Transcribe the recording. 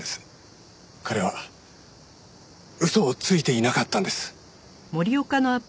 彼は嘘をついていなかったんです。